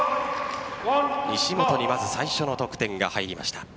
西本にまず最初の得点が入りました。